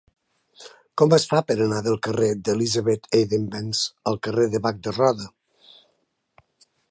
Com es fa per anar del carrer d'Elisabeth Eidenbenz al carrer de Bac de Roda?